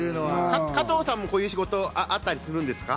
加藤さんもこういう仕事あったりするんですか？